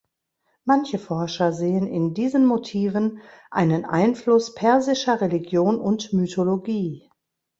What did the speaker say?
Manche Forscher sehen in diesen Motiven einen Einfluss persischer Religion und Mythologie.